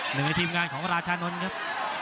หนึ่งในทีมงานของราชานนท์ครับ